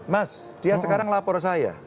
mas dia sekarang lapor saya